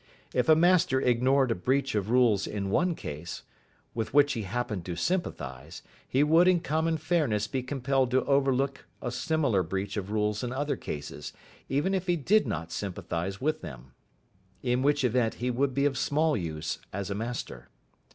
If a master ignored a breach of rules in one case, with which he happened to sympathise, he would in common fairness be compelled to overlook a similar breach of rules in other cases, even if he did not sympathise with them. In which event he would be of small use as a master.